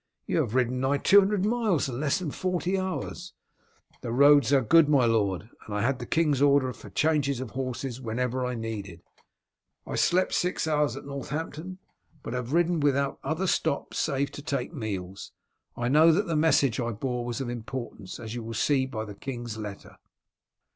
"You have ridden nigh two hundred miles in less than forty hours." "The roads are good, my lord, and I had the king's order for changes of horses whenever needed. I slept six hours at Northampton, but have ridden without other stop save to take meals. I knew that the message I bore was of importance, as you will see by the king's letter."